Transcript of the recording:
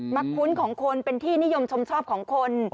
คุ้นของคนเป็นที่นิยมชมชอบของคน